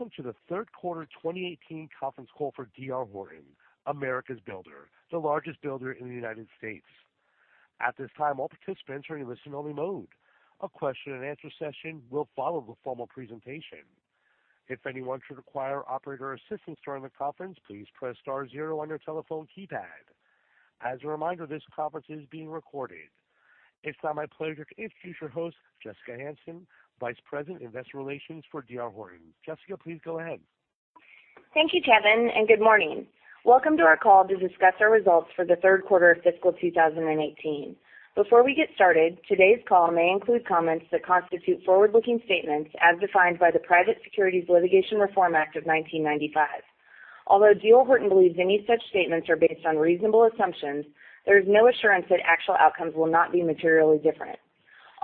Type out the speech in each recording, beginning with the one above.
Welcome to the third quarter 2018 conference call for D.R. Horton, America's builder, the largest builder in the U.S. At this time, all participants are in listen-only mode. A question and answer session will follow the formal presentation. If anyone should require operator assistance during the conference, please press star zero on your telephone keypad. As a reminder, this conference is being recorded. It's now my pleasure to introduce your host, Jessica Hansen, Vice President, Investor Relations for D.R. Horton. Jessica, please go ahead. Thank you, Kevin, good morning. Welcome to our call to discuss our results for the third quarter of fiscal 2018. Before we get started, today's call may include comments that constitute forward-looking statements as defined by the Private Securities Litigation Reform Act of 1995. Although D.R. Horton believes any such statements are based on reasonable assumptions, there is no assurance that actual outcomes will not be materially different.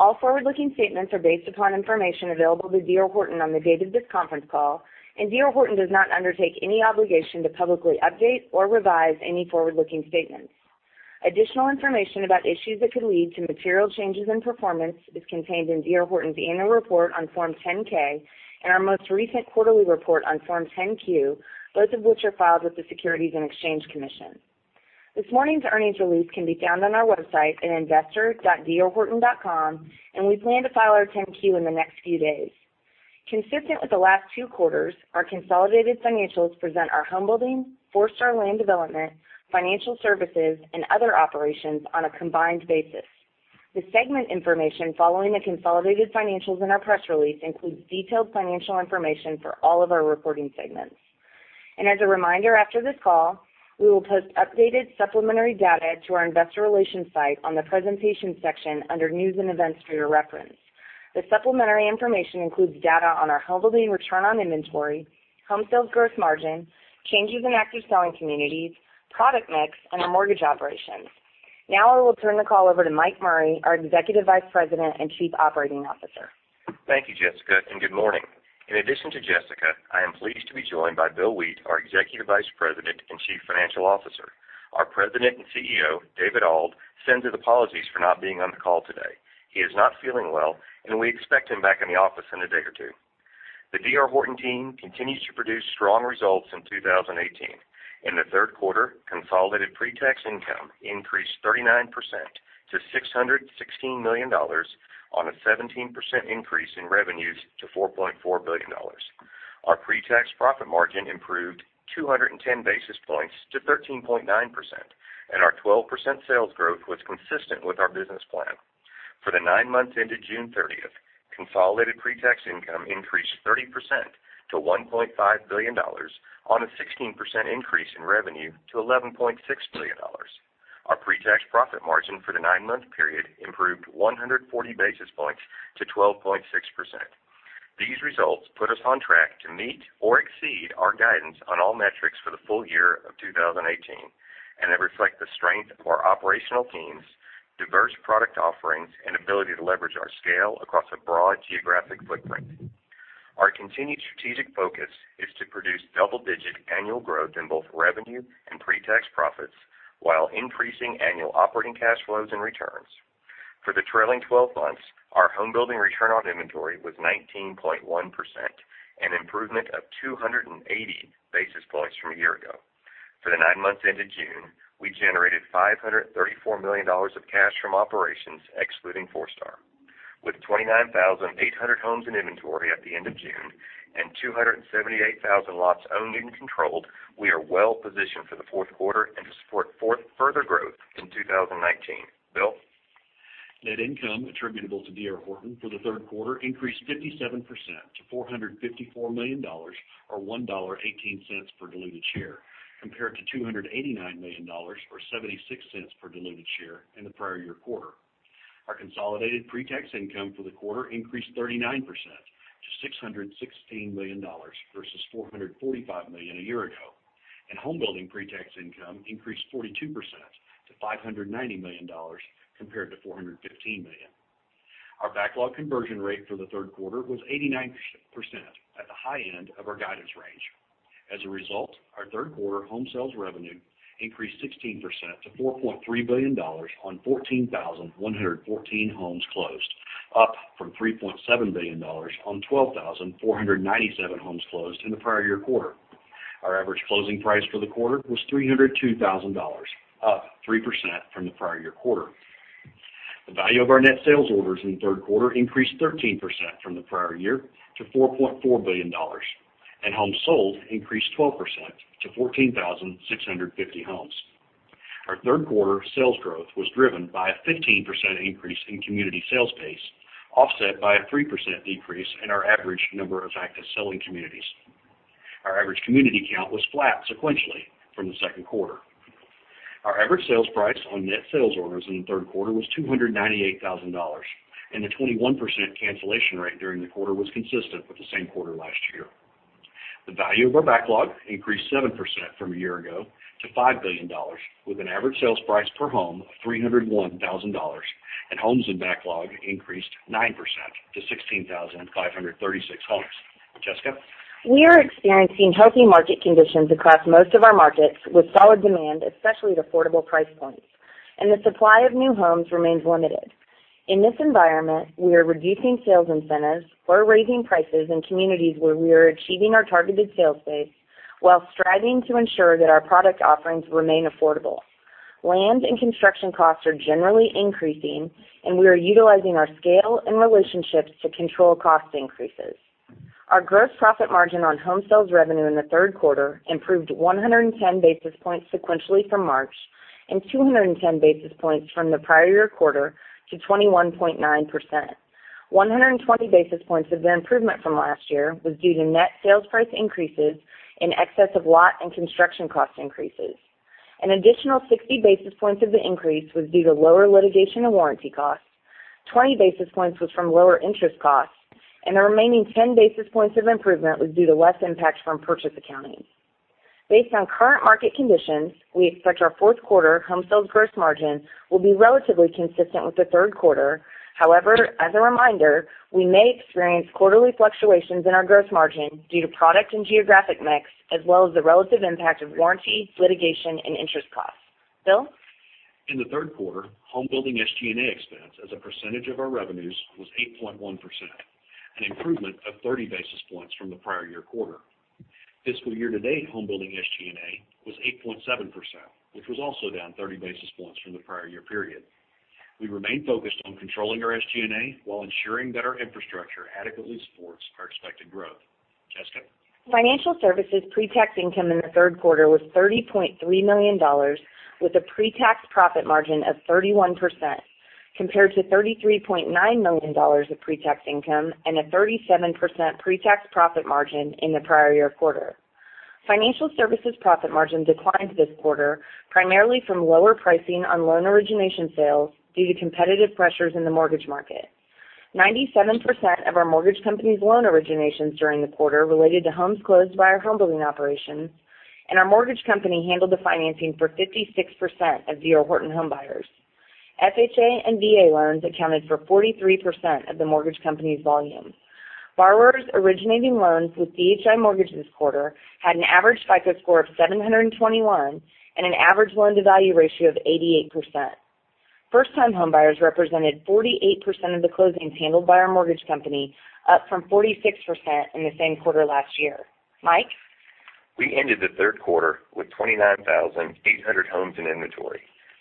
All forward-looking statements are based upon information available to D.R. Horton on the date of this conference call. D.R. Horton does not undertake any obligation to publicly update or revise any forward-looking statements. Additional information about issues that could lead to material changes in performance is contained in D.R. Horton's annual report on Form 10-K and our most recent quarterly report on Form 10-Q, both of which are filed with the Securities and Exchange Commission. This morning's earnings release can be found on our website at investor.drhorton.com. We plan to file our 10-Q in the next few days. Consistent with the last two quarters, our consolidated financials present our homebuilding, Forestar land development, financial services, and other operations on a combined basis. The segment information following the consolidated financials in our press release includes detailed financial information for all of our reporting segments. As a reminder, after this call, we will post updated supplementary data to our investor relations site on the presentations section under news and events for your reference. The supplementary information includes data on our homebuilding return on inventory, home sales gross margin, changes in active selling communities, product mix, and our mortgage operations. Now, I will turn the call over to Mike Murray, our Executive Vice President and Chief Operating Officer. Thank you, Jessica, good morning. In addition to Jessica, I am pleased to be joined by Bill Wheat, our Executive Vice President and Chief Financial Officer. Our President and CEO, David Auld, sends his apologies for not being on the call today. He is not feeling well. We expect him back in the office in a day or two. The D.R. Horton team continues to produce strong results in 2018. In the third quarter, consolidated pre-tax income increased 39% to $616 million on a 17% increase in revenues to $4.4 billion. Our pre-tax profit margin improved 210 basis points to 13.9%. Our 12% sales growth was consistent with our business plan. For the nine months ended June 30th, consolidated pre-tax income increased 30% to $1.5 billion on a 16% increase in revenue to $11.6 billion. Our pre-tax profit margin for the nine-month period improved 140 basis points to 12.6%. These results put us on track to meet or exceed our guidance on all metrics for the full year of 2018, and it reflects the strength of our operational teams, diverse product offerings, and ability to leverage our scale across a broad geographic footprint. Our continued strategic focus is to produce double-digit annual growth in both revenue and pre-tax profits while increasing annual operating cash flows and returns. For the trailing 12 months, our homebuilding return on inventory was 19.1%, an improvement of 280 basis points from a year ago. For the nine months ended June, we generated $534 million of cash from operations, excluding Forestar. With 29,800 homes in inventory at the end of June and 278,000 lots owned and controlled, we are well-positioned for the fourth quarter and to support further growth in 2019. Bill? Net income attributable to D.R. Horton for the third quarter increased 57% to $454 million, or $1.18 per diluted share, compared to $289 million or $0.76 per diluted share in the prior-year quarter. Our consolidated pre-tax income for the quarter increased 39% to $616 million versus $445 million a year ago, and homebuilding pre-tax income increased 42% to $590 million compared to $415 million. Our backlog conversion rate for the third quarter was 89%, at the high end of our guidance range. As a result, our third quarter home sales revenue increased 16% to $4.3 billion on 14,114 homes closed, up from $3.7 billion on 12,497 homes closed in the prior year quarter. Our average closing price for the quarter was $302,000, up 3% from the prior year quarter. The value of our net sales orders in the third quarter increased 13% from the prior year to $4.4 billion, and homes sold increased 12% to 14,650 homes. Our third quarter sales growth was driven by a 15% increase in community sales pace, offset by a 3% decrease in our average number of active selling communities. Our average community count was flat sequentially from the second quarter. Our average sales price on net sales orders in the third quarter was $298,000, and the 21% cancellation rate during the quarter was consistent with the same quarter last year. The value of our backlog increased 7% from a year ago to $5 billion, with an average sales price per home of $301,000, and homes in backlog increased 9% to 16,536 homes. Jessica? We are experiencing healthy market conditions across most of our markets with solid demand, especially at affordable price points. The supply of new homes remains limited. In this environment, we are reducing sales incentives, we're raising prices in communities where we are achieving our targeted sales pace, while striving to ensure that our product offerings remain affordable. Land and construction costs are generally increasing. We are utilizing our scale and relationships to control cost increases. Our gross profit margin on home sales revenue in the third quarter improved 110 basis points sequentially from March and 210 basis points from the prior year quarter to 21.9%. 120 basis points of the improvement from last year was due to net sales price increases in excess of lot and construction cost increases. An additional 60 basis points of the increase was due to lower litigation and warranty costs. 20 basis points was from lower interest costs. The remaining 10 basis points of improvement was due to less impact from purchase accounting. Based on current market conditions, we expect our fourth quarter home sales gross margin will be relatively consistent with the third quarter. As a reminder, we may experience quarterly fluctuations in our gross margin due to product and geographic mix, as well as the relative impact of warranty, litigation, and interest costs. Bill? In the third quarter, home building SG&A expense as a percentage of our revenues was 8.1%, an improvement of 30 basis points from the prior year quarter. Fiscal year to date home building SG&A was 8.7%, which was also down 30 basis points from the prior year period. We remain focused on controlling our SG&A while ensuring that our infrastructure adequately supports our expected growth. Jessica? Financial Services pre-tax income in the third quarter was $30.3 million, with a pre-tax profit margin of 31%, compared to $33.9 million of pre-tax income and a 37% pre-tax profit margin in the prior year quarter. Financial services profit margin declined this quarter primarily from lower pricing on loan origination sales due to competitive pressures in the mortgage market. 97% of our mortgage company's loan originations during the quarter related to homes closed by our home building operation. Our mortgage company handled the financing for 56% of D.R. Horton home buyers. FHA and VA loans accounted for 43% of the mortgage company's volume. Borrowers originating loans with DHI Mortgage this quarter had an average FICO score of 721 and an average loan-to-value ratio of 88%. First-time homebuyers represented 48% of the closings handled by our mortgage company, up from 46% in the same quarter last year. Mike? We ended the third quarter with 29,800 homes in inventory.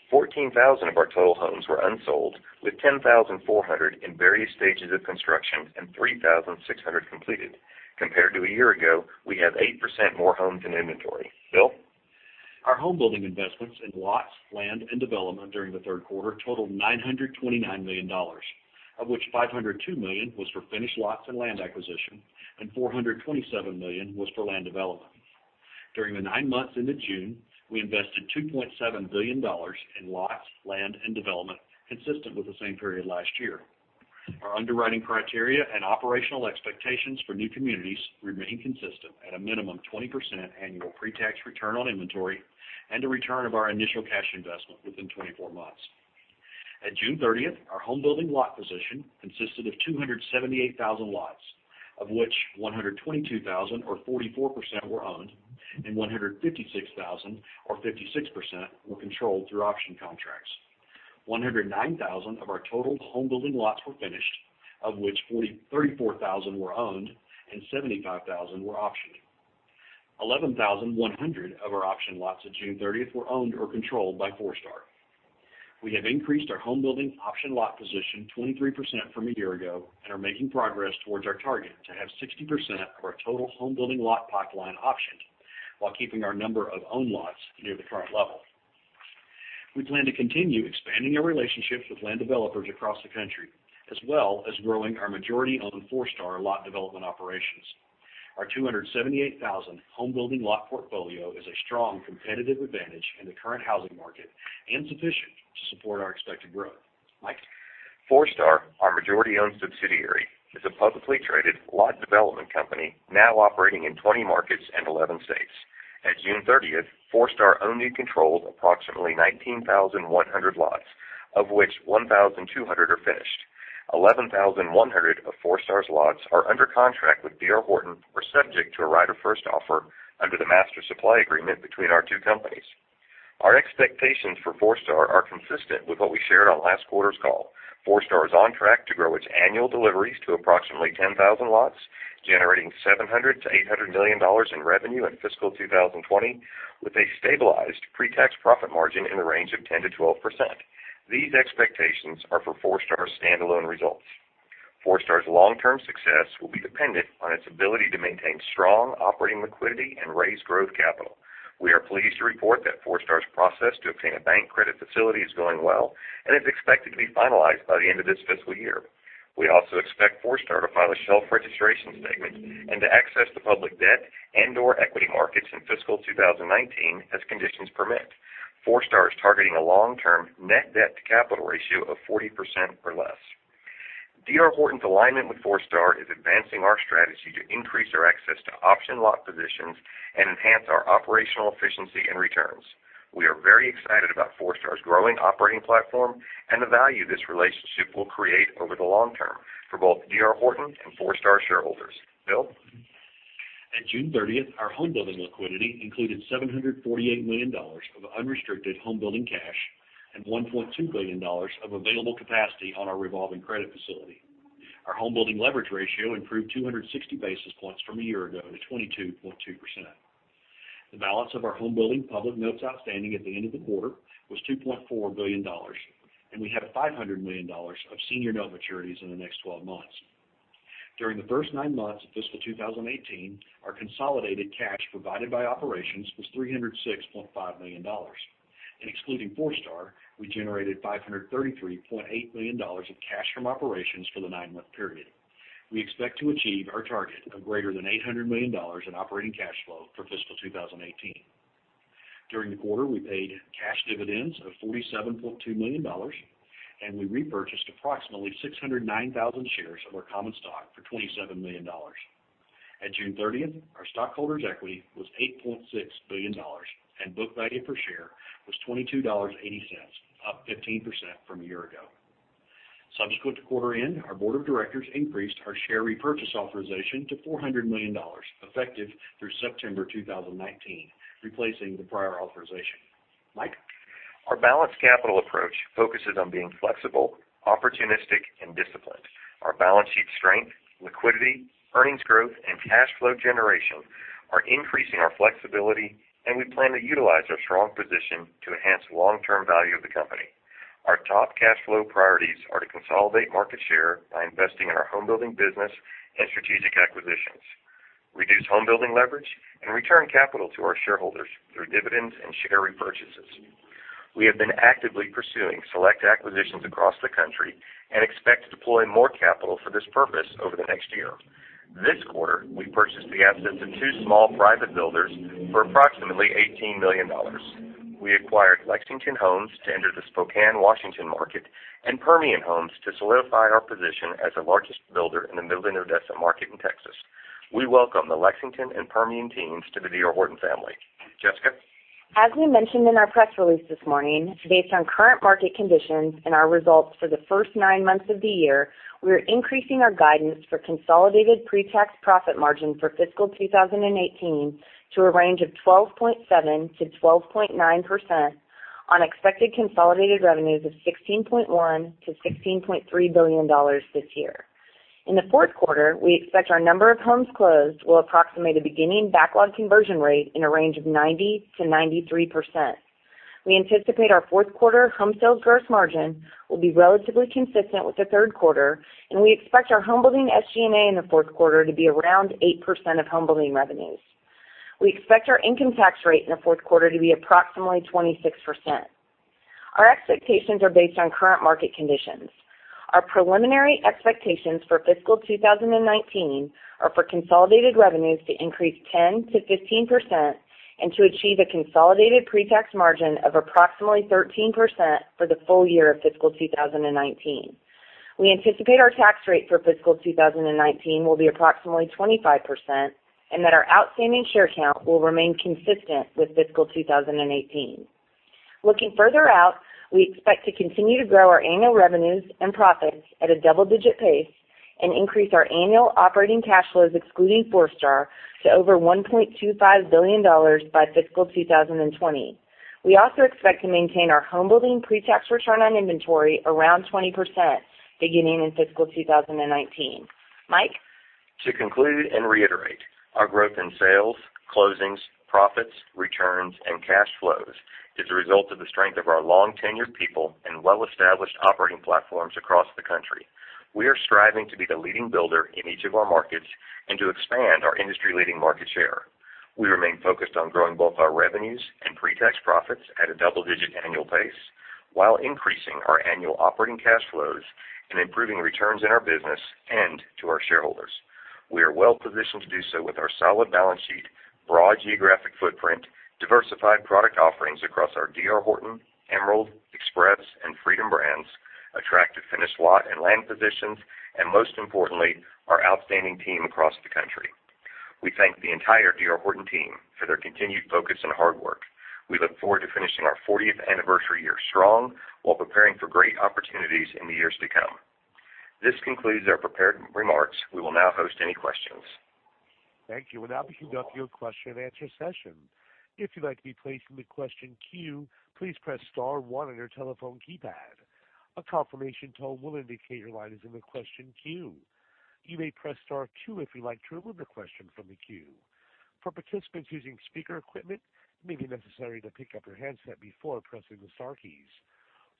14,000 of our total homes were unsold, with 10,400 in various stages of construction and 3,600 completed. Compared to a year ago, we have 8% more homes in inventory. Bill? Our home building investments in lots, land, and development during the third quarter totaled $929 million, of which $502 million was for finished lots and land acquisition and $427 million was for land development. During the nine months ended June, we invested $2.7 billion in lots, land, and development consistent with the same period last year. Our underwriting criteria and operational expectations for new communities remain consistent at a minimum 20% annual pre-tax return on inventory and a return of our initial cash investment within 24 months. At June 30th, our home building lot position consisted of 278,000 lots, of which 122,000 or 44% were owned and 156,000 or 56% were controlled through option contracts. 109,000 of our total home building lots were finished, of which 34,000 were owned and 75,000 were optioned. 11,100 of our option lots at June 30th were owned or controlled by Forestar. We have increased our home building option lot position 23% from a year ago and are making progress towards our target to have 60% of our total home building lot pipeline optioned while keeping our number of owned lots near the current level. We plan to continue expanding our relationships with land developers across the country, as well as growing our majority-owned Forestar lot development operations. Our 278,000 home building lot portfolio is a strong competitive advantage in the current housing market and sufficient to support our expected growth. Mike? Forestar, our majority-owned subsidiary, is a publicly traded lot development company now operating in 20 markets and 11 states. At June 30th, Forestar owned and controlled approximately 19,100 lots, of which 1,200 are finished. 11,100 of Forestar's lots are under contract with D.R. Horton or subject to a right of first offer under the master supply agreement between our two companies. Our expectations for Forestar are consistent with what we shared on last quarter's call. Forestar is on track to grow its annual deliveries to approximately 10,000 lots, generating $700 million to $800 million in revenue in fiscal 2020, with a stabilized pre-tax profit margin in the range of 10% to 12%. These expectations are for Forestar's standalone results. Forestar's long-term success will be dependent on its ability to maintain strong operating liquidity and raise growth capital. We are pleased to report that Forestar's process to obtain a bank credit facility is going well and is expected to be finalized by the end of this fiscal year. We also expect Forestar to file a shelf registration statement and to access the public debt and/or equity markets in fiscal 2019 as conditions permit. Forestar is targeting a long-term net debt-to-capital ratio of 40% or less. D.R. Horton's alignment with Forestar is advancing our strategy to increase our access to option lot positions and enhance our operational efficiency and returns. We are very excited about Forestar's growing operating platform and the value this relationship will create over the long term for both D.R. Horton and Forestar shareholders. Bill? At June 30th, our home building liquidity included $748 million of unrestricted home building cash and $1.2 billion of available capacity on our revolving credit facility. Our home building leverage ratio improved 260 basis points from a year ago to 22.2%. The balance of our home building public notes outstanding at the end of the quarter was $2.4 billion, and we have $500 million of senior note maturities in the next 12 months. During the first nine months of fiscal 2018, our consolidated cash provided by operations was $306.5 million. Excluding Forestar, we generated $533.8 million of cash from operations for the nine-month period. We expect to achieve our target of greater than $800 million in operating cash flow for fiscal 2018. During the quarter, we paid cash dividends of $47.2 million, and we repurchased approximately 609,000 shares of our common stock for $27 million. At June 30th, our stockholders' equity was $8.6 billion, and book value per share was $22.80, up 15% from a year ago. Subsequent to quarter end, our board of directors increased our share repurchase authorization to $400 million effective through September 2019, replacing the prior authorization. Mike? Our balanced capital approach focuses on being flexible, opportunistic, and disciplined. Our balance sheet strength, liquidity, earnings growth, and cash flow generation are increasing our flexibility, and we plan to utilize our strong position to enhance long-term value of the company. Our top cash flow priorities are to consolidate market share by investing in our home building business and strategic acquisitions, reduce home building leverage, and return capital to our shareholders through dividends and share repurchases. We have been actively pursuing select acquisitions across the country and expect to deploy more capital for this purpose over the next year. This quarter, we purchased the assets of two small private builders for approximately $18 million. We acquired Lexington Homes to enter the Spokane, Washington market, and Permian Homes to solidify our position as the largest builder in the Midland-Odessa market in Texas. We welcome the Lexington and Permian teams to the D.R. Horton family. Jessica? As we mentioned in our press release this morning, based on current market conditions and our results for the first nine months of the year, we are increasing our guidance for consolidated pre-tax profit margin for fiscal 2018 to a range of 12.7%-12.9% on expected consolidated revenues of $16.1 billion-$16.3 billion this year. In the fourth quarter, we expect our number of homes closed will approximate a beginning backlog conversion rate in a range of 90%-93%. We anticipate our fourth quarter home sales gross margin will be relatively consistent with the third quarter. We expect our home building SG&A in the fourth quarter to be around 8% of home building revenues. We expect our income tax rate in the fourth quarter to be approximately 26%. Our expectations are based on current market conditions. Our preliminary expectations for fiscal 2019 are for consolidated revenues to increase 10%-15% and to achieve a consolidated pre-tax margin of approximately 13% for the full year of fiscal 2019. We anticipate our tax rate for fiscal 2019 will be approximately 25%, and that our outstanding share count will remain consistent with fiscal 2018. Looking further out, we expect to continue to grow our annual revenues and profits at a double-digit pace and increase our annual operating cash flows excluding Forestar to over $1.25 billion by fiscal 2020. We also expect to maintain our home building pre-tax return on inventory around 20% beginning in fiscal 2019. Mike? To conclude and reiterate, our growth in sales, closings, profits, returns, and cash flows is a result of the strength of our long-tenured people and well-established operating platforms across the country. We are striving to be the leading builder in each of our markets and to expand our industry-leading market share. We remain focused on growing both our revenues and pre-tax profits at a double-digit annual pace while increasing our annual operating cash flows and improving returns in our business and to our shareholders. We are well positioned to do so with our solid balance sheet, broad geographic footprint, diversified product offerings across our D.R. Horton, Emerald, Express, and Freedom brands, attractive finished lot and land positions, and most importantly, our outstanding team across the country. We thank the entire D.R. Horton team for their continued focus and hard work. We look forward to finishing our 40th anniversary year strong while preparing for great opportunities in the years to come. This concludes our prepared remarks. We will now host any questions. Thank you. We'll now be conducting a question and answer session. If you'd like to be placed in the question queue, please press star one on your telephone keypad. A confirmation tone will indicate your line is in the question queue. You may press star two if you'd like to remove the question from the queue. For participants using speaker equipment, it may be necessary to pick up your handset before pressing the star keys.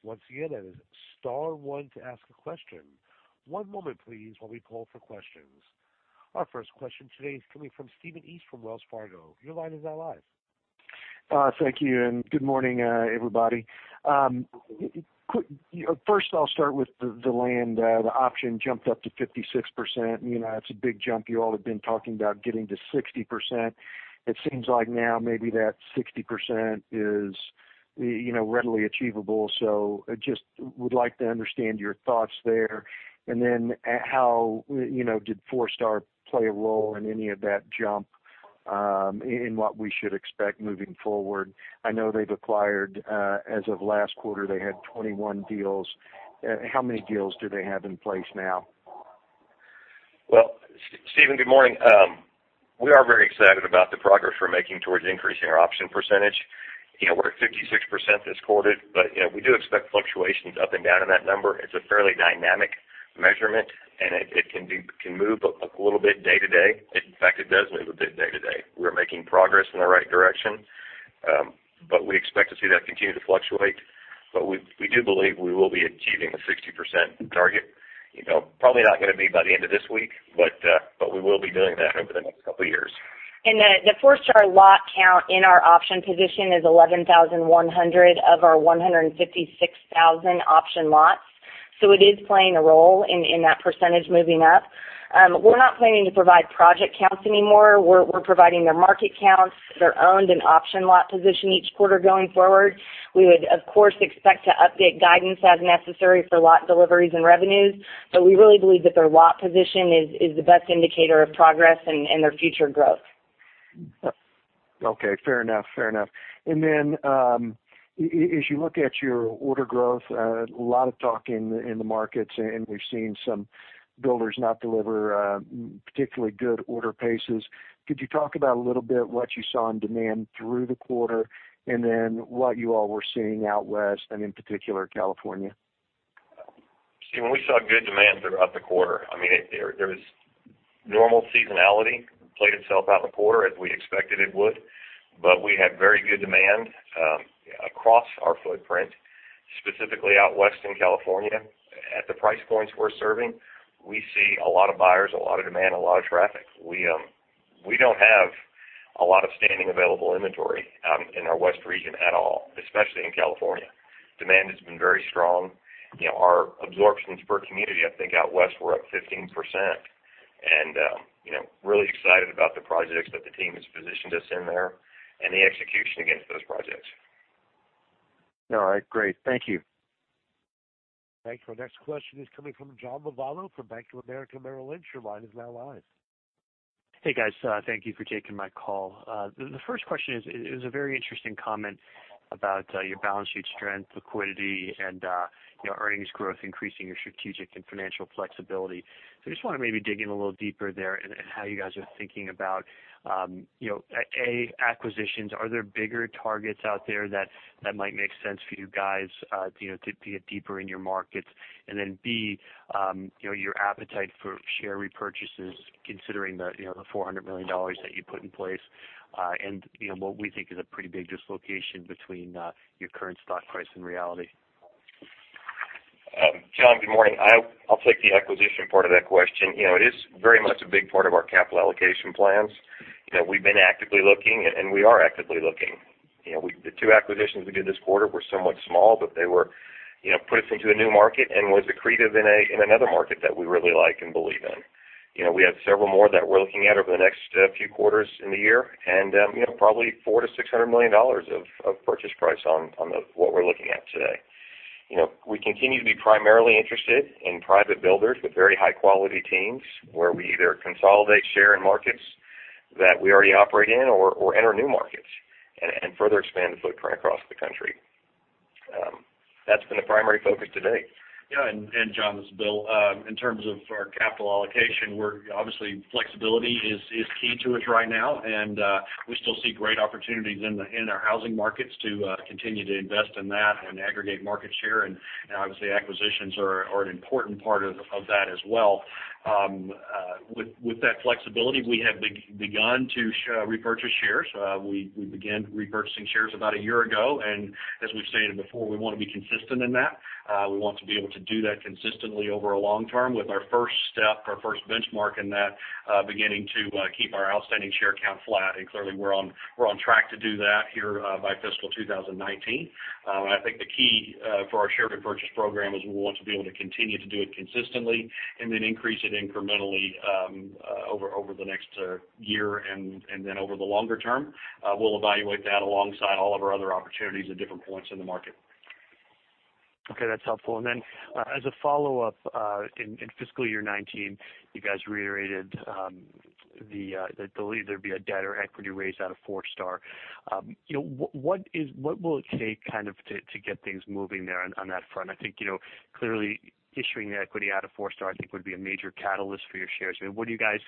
Once again, that is star one to ask a question. One moment please while we poll for questions. Our first question today is coming from Stephen East from Wells Fargo. Your line is now live. Thank you. Good morning, everybody. First I'll start with the land. The option jumped up to 56%. That's a big jump. You all have been talking about getting to 60%. It seems like now maybe that 60% is readily achievable. Just would like to understand your thoughts there. How did Forestar play a role in any of that jump, and what we should expect moving forward? I know they've acquired, as of last quarter, they had 21 deals. How many deals do they have in place now? Well, Stephen, good morning. We are very excited about the progress we're making towards increasing our option percentage. We're at 56% this quarter. We do expect fluctuations up and down in that number. It's a fairly dynamic measurement. It can move a little bit day to day. In fact, it does move a bit day to day. We're making progress in the right direction. We expect to see that continue to fluctuate. We do believe we will be achieving a 60% target. Probably not going to be by the end of this week, but we will be doing that over the next couple of years. The Forestar lot count in our option position is 11,100 of our 156,000 option lots. It is playing a role in that percentage moving up. We're not planning to provide project counts anymore. We're providing their market counts, their owned and option lot position each quarter going forward. We would, of course, expect to update guidance as necessary for lot deliveries and revenues. We really believe that their lot position is the best indicator of progress and their future growth. Okay, fair enough. As you look at your order growth, a lot of talk in the markets, and we've seen some builders not deliver particularly good order paces. Could you talk about a little bit what you saw in demand through the quarter, what you all were seeing out West and in particular, California? Stephen, we saw good demand throughout the quarter. There was normal seasonality played itself out in the quarter as we expected it would. We had very good demand across our footprint, specifically out West in California. At the price points we're serving, we see a lot of buyers, a lot of demand, a lot of traffic. We don't have a lot of standing available inventory in our West region at all, especially in California. Demand has been very strong. Our absorptions per community, I think out West, we're up 15%. Really excited about the projects that the team has positioned us in there and the execution against those projects. All right, great. Thank you. Thank you. Our next question is coming from John Lovallo from Bank of America Merrill Lynch. Your line is now live. Hey, guys. Thank you for taking my call. The first question is, it was a very interesting comment about your balance sheet strength, liquidity, and earnings growth, increasing your strategic and financial flexibility. I just want to maybe dig in a little deeper there and how you guys are thinking about, A, acquisitions. Are there bigger targets out there that might make sense for you guys to be deeper in your markets? And then, B, your appetite for share repurchases, considering the $400 million that you put in place, and what we think is a pretty big dislocation between your current stock price and reality. John, good morning. I'll take the acquisition part of that question. It is very much a big part of our capital allocation plans. We've been actively looking, and we are actively looking. The two acquisitions we did this quarter were somewhat small, but they put us into a new market and was accretive in another market that we really like and believe in. We have several more that we're looking at over the next few quarters in the year, and probably $400 million-$600 million of purchase price on what we're looking at today. We continue to be primarily interested in private builders with very high-quality teams, where we either consolidate share in markets that we already operate in or enter new markets and further expand the footprint across the country. That's been the primary focus to date. Yeah, John, this is Bill. In terms of our capital allocation, obviously, flexibility is key to us right now, and we still see great opportunities in our housing markets to continue to invest in that and aggregate market share, and obviously, acquisitions are an important part of that as well. With that flexibility, we have begun to repurchase shares. We began repurchasing shares about a year ago, and as we've stated before, we want to be consistent in that. We want to be able to do that consistently over a long term with our first step, our first benchmark in that, beginning to keep our outstanding share count flat. Clearly, we're on track to do that here by fiscal 2019. I think the key for our share repurchase program is we want to be able to continue to do it consistently and then increase it incrementally over the next year and then over the longer term. We'll evaluate that alongside all of our other opportunities at different points in the market. Okay, that's helpful. As a follow-up, in fiscal year 2019, you guys reiterated that there'll either be a debt or equity raise out of Forestar. What will it take to get things moving there on that front? Clearly issuing the equity out of Forestar would be a major catalyst for your shares. What do you guys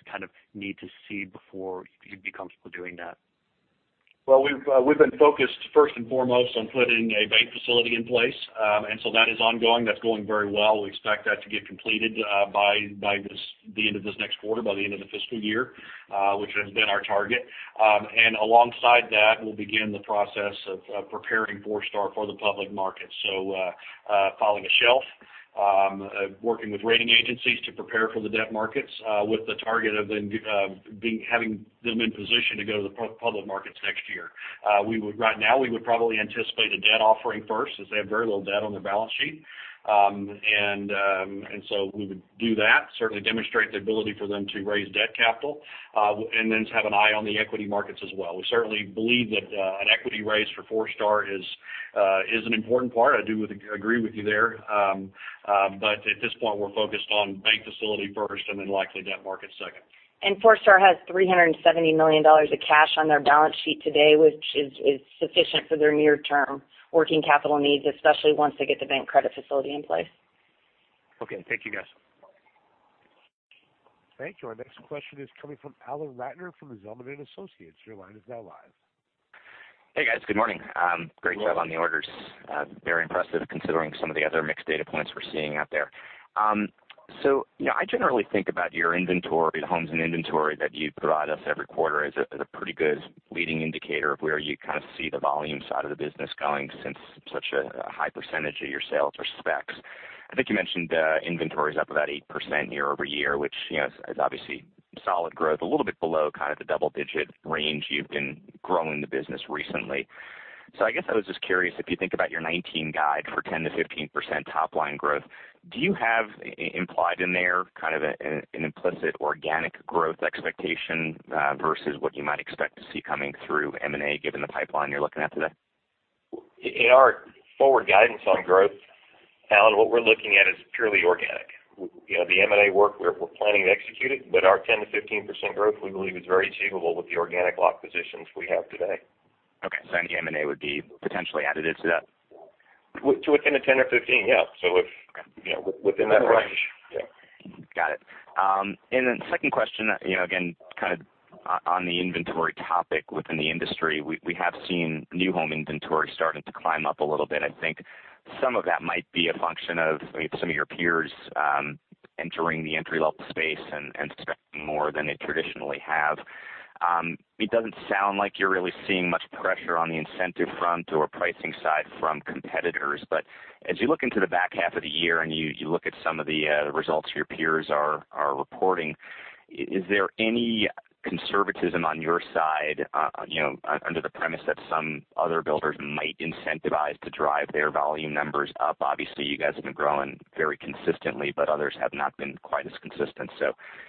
need to see before you'd be comfortable doing that? We've been focused first and foremost on putting a bank facility in place. That is ongoing. That's going very well. We expect that to get completed by the end of this next quarter, by the end of the fiscal year, which has been our target. Alongside that, we'll begin the process of preparing Forestar for the public market. Filing a shelf, working with rating agencies to prepare for the debt markets with the target of then having them in position to go to the public markets next year. Right now, we would probably anticipate a debt offering first, as they have very little debt on their balance sheet. We would do that, certainly demonstrate the ability for them to raise debt capital, and then have an eye on the equity markets as well. We certainly believe that an equity raise for Forestar is an important part. I do agree with you there. At this point, we're focused on bank facility first and then likely debt market second. Forestar has $370 million of cash on their balance sheet today, which is sufficient for their near-term working capital needs, especially once they get the bank credit facility in place. Okay. Thank you, guys. Thank you. Our next question is coming from Alan Ratner from Zelman & Associates. Your line is now live. Hey, guys. Good morning. Great job on the orders. Very impressive, considering some of the other mixed data points we're seeing out there. I generally think about your homes in inventory that you provide us every quarter as a pretty good leading indicator of where you kind of see the volume side of the business going, since such a high percentage of your sales are specs. I think you mentioned inventory's up about 8% year-over-year, which is obviously solid growth, a little bit below kind of the double-digit range you've been growing the business recently. I guess I was just curious if you think about your 2019 guide for 10%-15% top-line growth, do you have implied in there kind of an implicit organic growth expectation versus what you might expect to see coming through M&A, given the pipeline you're looking at today? In our forward guidance on growth, Alan, what we're looking at is purely organic. The M&A work, we're planning to execute it, but our 10%-15% growth, we believe is very achievable with the organic lot positions we have today. Any M&A would be potentially additive to that? To within a 10% or 15%, yeah. Within that range. Yeah. Got it. Second question, again, kind of on the inventory topic within the industry, we have seen new home inventory starting to climb up a little bit. I think some of that might be a function of some of your peers entering the entry-level space and spending more than they traditionally have. It doesn't sound like you're really seeing much pressure on the incentive front or pricing side from competitors. As you look into the back half of the year and you look at some of the results your peers are reporting, is there any conservatism on your side under the premise that some other builders might incentivize to drive their volume numbers up? Obviously, you guys have been growing very consistently, but others have not been quite as consistent.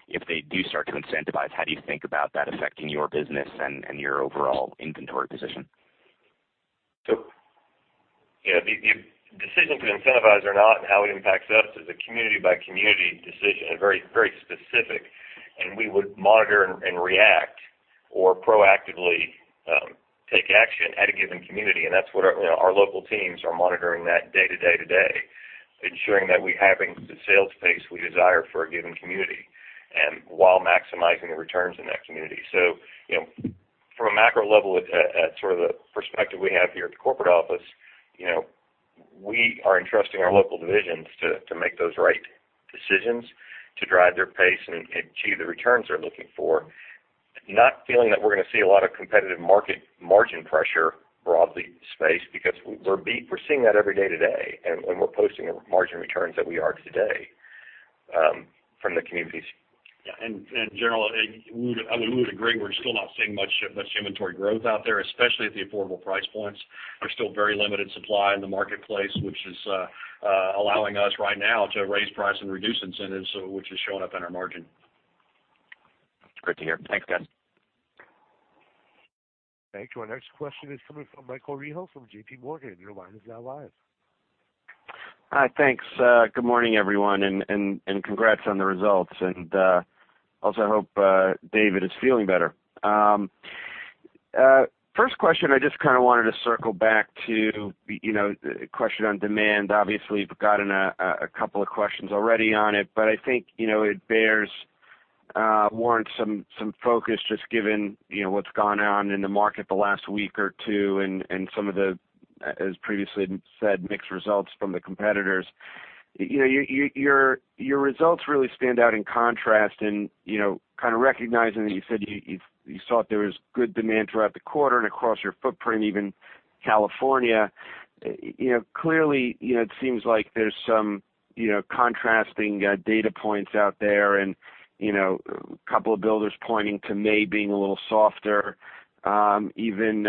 If they do start to incentivize, how do you think about that affecting your business and your overall inventory position? The decision to incentivize or not and how it impacts us is a community-by-community decision, very specific. We would monitor and react or proactively take action at a given community. Our local teams are monitoring that day to day to day, ensuring that we have the sales pace we desire for a given community and while maximizing the returns in that community. From a macro level at sort of the perspective we have here at the corporate office, we are entrusting our local divisions to make those right decisions to drive their pace and achieve the returns they're looking for. Not feeling that we're going to see a lot of competitive market margin pressure broadly in the space because we're seeing that every day today, and we're posting margin returns that we are today from the communities. Yeah. In general, I would agree. We're still not seeing much inventory growth out there, especially at the affordable price points. There's still very limited supply in the marketplace, which is allowing us right now to raise price and reduce incentives, which is showing up in our margin. That's great to hear. Thanks, guys. Thank you. Our next question is coming from Michael Rehaut from J.P. Morgan. Your line is now live. Hi. Thanks. Good morning, everyone, congrats on the results. Also, I hope David is feeling better. First question, I just kind of wanted to circle back to the question on demand. We've gotten a couple of questions already on it, but I think it warrants some focus just given what's gone on in the market the last week or two and some of the, as previously said, mixed results from the competitors. Your results really stand out in contrast, Kind of recognizing that you said you thought there was good demand throughout the quarter and across your footprint, even California. Clearly, it seems like there's some contrasting data points out there and a couple of builders pointing to May being a little softer. Even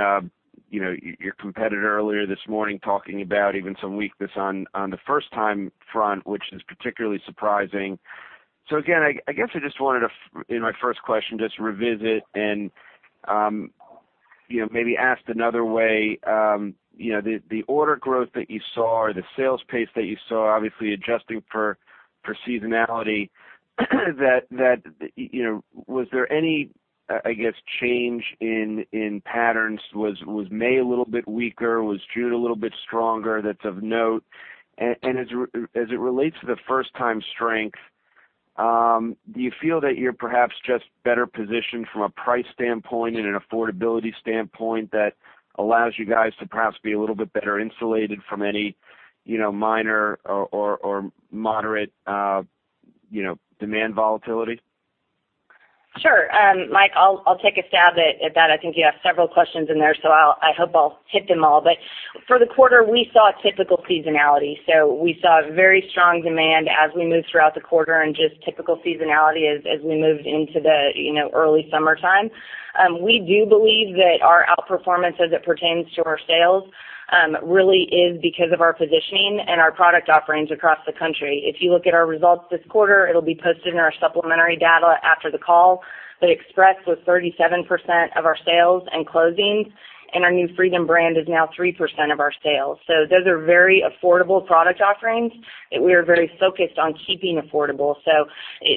your competitor earlier this morning talking about even some weakness on the first time front, which is particularly surprising. Again, I guess I just wanted to, in my first question, just revisit and maybe asked another way. The order growth that you saw or the sales pace that you saw, adjusting for seasonality, was there any, I guess, change in patterns? Was May a little bit weaker? Was June a little bit stronger that's of note? As it relates to the first time strength, do you feel that you're perhaps just better positioned from a price standpoint and an affordability standpoint that allows you guys to perhaps be a little bit better insulated from any minor or moderate demand volatility? Sure. Mike, I'll take a stab at that. I think you have several questions in there, I hope I'll hit them all. For the quarter, we saw typical seasonality. We saw very strong demand as we moved throughout the quarter and just typical seasonality as we moved into the early summertime. We do believe that our outperformance as it pertains to our sales really is because of our positioning and our product offerings across the country. If you look at our results this quarter, it'll be posted in our supplementary data after the call, but Express was 37% of our sales and closings, and our new Freedom brand is now 3% of our sales. Those are very affordable product offerings that we are very focused on keeping affordable.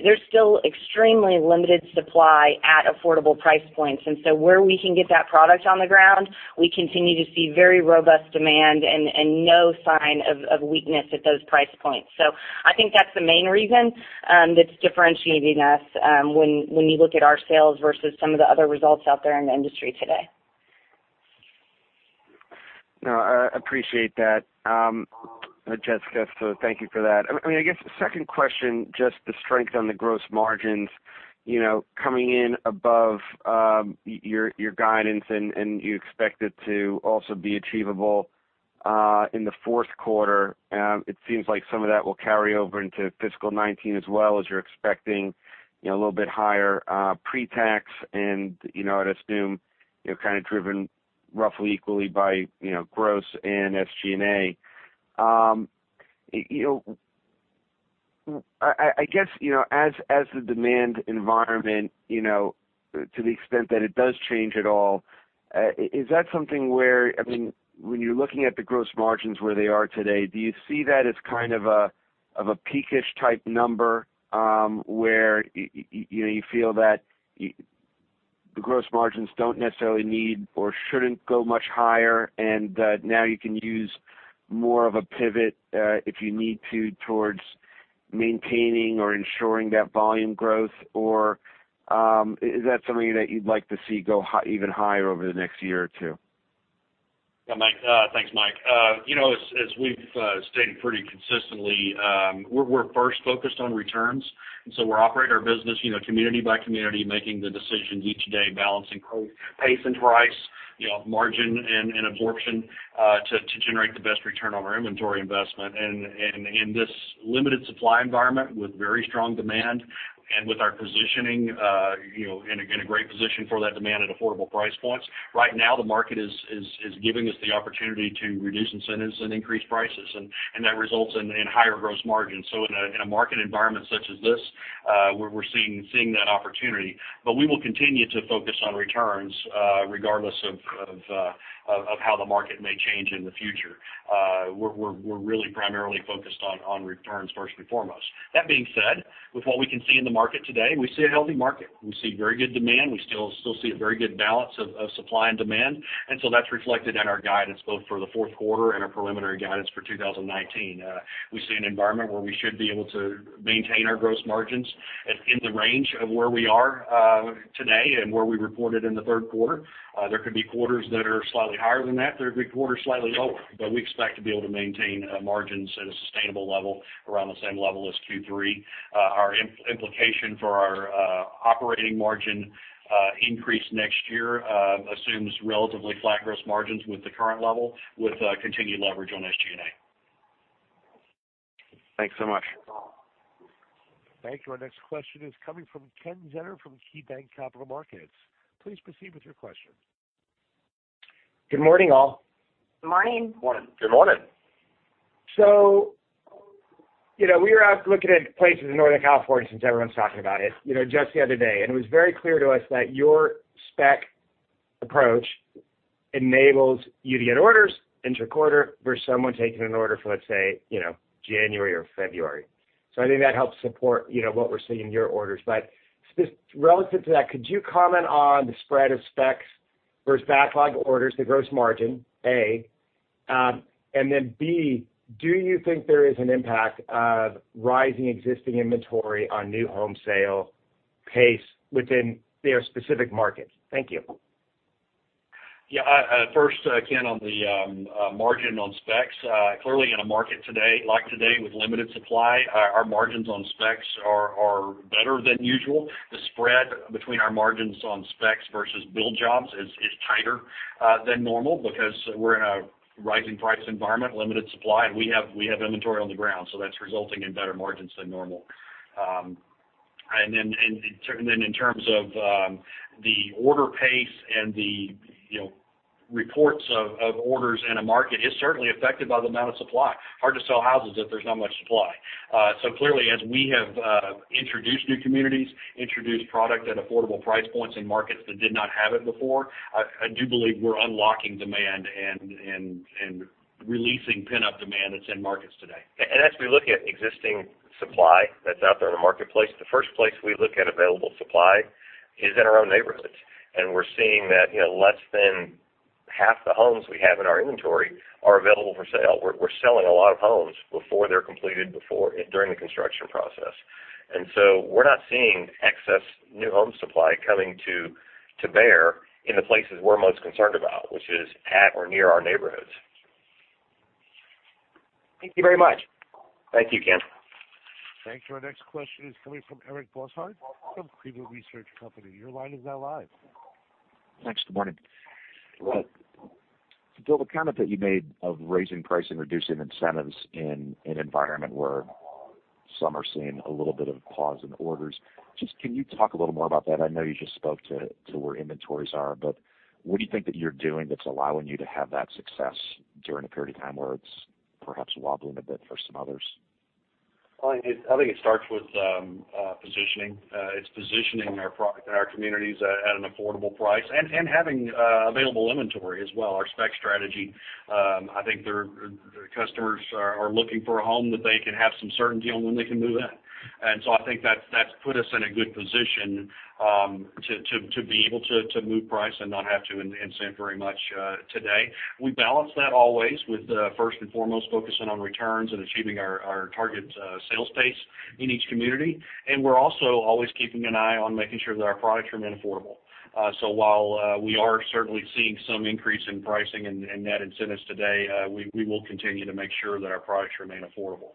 There's still extremely limited supply at affordable price points. Where we can get that product on the ground, we continue to see very robust demand and no sign of weakness at those price points. I think that's the main reason that's differentiating us when you look at our sales versus some of the other results out there in the industry today. No, I appreciate that, Jessica, so thank you for that. I guess the second question, just the strength on the gross margins, coming in above your guidance, and you expect it to also be achievable in the fourth quarter. It seems like some of that will carry over into fiscal 2019 as well, as you're expecting a little bit higher pre-tax, and I'd assume driven roughly equally by gross and SG&A. I guess as the demand environment, to the extent that it does change at all, is that something where when you're looking at the gross margins where they are today, do you see that as kind of a peak-ish type number where you feel that the gross margins don't necessarily need or shouldn't go much higher and now you can use more of a pivot, if you need to, towards maintaining or ensuring that volume growth, or is that something that you'd like to see go even higher over the next year or two? Yeah, Mike. Thanks, Mike. As we've stated pretty consistently, we're first focused on returns, we operate our business community by community, making the decisions each day, balancing pace and price, margin, and absorption to generate the best return on our inventory investment. In this limited supply environment with very strong demand and with our positioning, in a great position for that demand at affordable price points, right now the market is giving us the opportunity to reduce incentives and increase prices, and that results in higher gross margins. In a market environment such as this, we're seeing that opportunity. We will continue to focus on returns regardless of how the market may change in the future. We're really primarily focused on returns first and foremost. That being said, with what we can see in the market today, we see a healthy market. We see very good demand. We still see a very good balance of supply and demand. That's reflected in our guidance both for the fourth quarter and our preliminary guidance for 2019. We see an environment where we should be able to maintain our gross margins in the range of where we are today and where we reported in the third quarter. There could be quarters that are slightly higher than that. There could be quarters slightly lower. We expect to be able to maintain margins at a sustainable level around the same level as Q3. Our implication for our operating margin increase next year assumes relatively flat gross margins with the current level with continued leverage on SG&A. Thanks so much. Thank you. Our next question is coming from Kenneth Zener from KeyBanc Capital Markets. Please proceed with your question. Good morning, all. Good morning. Morning. Good morning. We were out looking at places in Northern California, since everyone's talking about it, just the other day, and it was very clear to us that your spec approach enables you to get orders inter-quarter for someone taking an order for, let's say, January or February. I think that helps support what we're seeing in your orders. Relative to that, could you comment on the spread of specs versus backlog orders to gross margin, A? And then B, do you think there is an impact of rising existing inventory on new home sale pace within their specific markets? Thank you. First, Ken, on the margin on specs, clearly in a market like today with limited supply, our margins on specs are better than usual. The spread between our margins on specs versus build jobs is tighter than normal because we're in a rising price environment, limited supply, and we have inventory on the ground, so that's resulting in better margins than normal. In terms of the order pace and the reports of orders in a market is certainly affected by the amount of supply. Hard to sell houses if there's not much supply. Clearly, as we have introduced new communities, introduced product at affordable price points in markets that did not have it before, I do believe we're unlocking demand and releasing pent-up demand that's in markets today. We look at existing supply that's out there in the marketplace, the first place we look at available supply is in our own neighborhoods, we're seeing that less than half the homes we have in our inventory are available for sale. We're selling a lot of homes before they're completed, during the construction process. We're not seeing excess new home supply coming to bear in the places we're most concerned about, which is at or near our neighborhoods. Thank you very much. Thank you, Ken. Thank you. Our next question is coming from Eric Bosshard from Cleveland Research Company. Your line is now live. Thanks. Good morning. Good morning. Bill, the comment that you made of raising price and reducing incentives in an environment where some are seeing a little bit of a pause in orders, just can you talk a little more about that? I know you just spoke to where inventories are, but what do you think that you're doing that's allowing you to have that success during a period of time where it's perhaps wobbling a bit for some others? I think it starts with positioning. It's positioning our communities at an affordable price and having available inventory as well, our spec strategy. I think the customers are looking for a home that they can have some certainty on when they can move in. I think that's put us in a good position to be able to move price and not have to incent very much today. We balance that always with first and foremost focusing on returns and achieving our target sales pace in each community, we're also always keeping an eye on making sure that our products remain affordable. While we are certainly seeing some increase in pricing and net incentives today, we will continue to make sure that our products remain affordable.